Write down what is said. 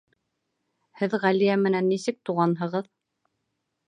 Һеҙ Ғәлиә менән нисек туғанһығыҙ?